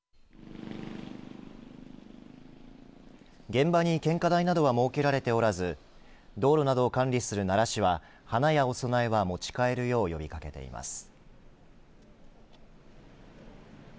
現場に献花台などは設けられておらず道路などを管理する奈良市は花屋やお供えは持ち帰るよう呼びかけています。